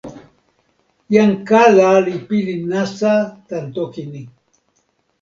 jan kala li pilin nasa tan toki ni.